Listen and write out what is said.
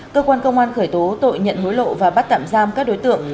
cơ quan công an khởi tố tội nhận hối lộ và bắt tạm giam các đối tượng